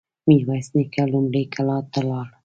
ميرويس نيکه لومړی کلات ته لاړ.